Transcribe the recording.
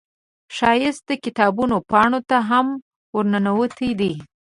ښایست د کتابونو پاڼو ته هم ورننوتی دی